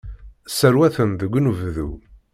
Sserwaten deg unebdu.